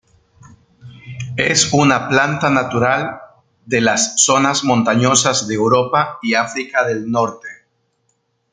Es una planta natural de las zonas montañosas de Europa y África del Norte.